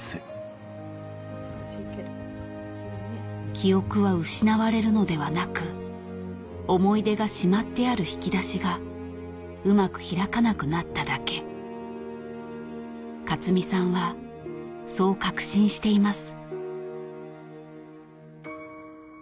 記憶は失われるのではなく思い出がしまってある引き出しがうまく開かなくなっただけ雅津美さんはそう確信しています